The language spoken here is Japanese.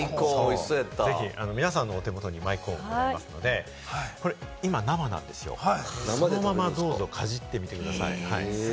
ぜひ皆さんのお手元に舞コーンがあるので、これ今、生なんですよ、そのままどうぞ、かじってみてください。